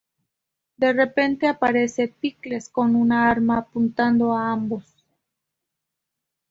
De repente, aparece Pickles con un arma apuntado a ambos.